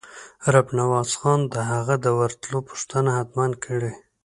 رب نواز خان د هغه د ورتلو پوښتنه حتماً کړې.